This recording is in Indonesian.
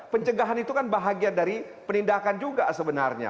pencegahan itu kan bahagia dari penindakan juga sebenarnya